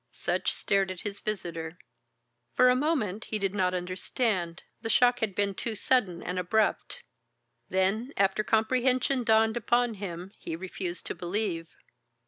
Sutch stared at his visitor. For a moment he did not understand, the shock had been too sudden and abrupt. Then after comprehension dawned upon him, he refused to believe.